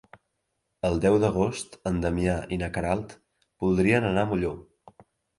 El deu d'agost en Damià i na Queralt voldrien anar a Molló.